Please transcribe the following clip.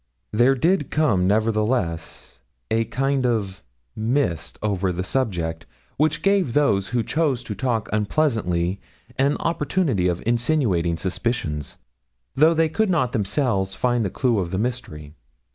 'There did come, nevertheless, a kind of mist over the subject, which gave those who chose to talk unpleasantly an opportunity of insinuating suspicions, though they could not themselves find the clue of the mystery.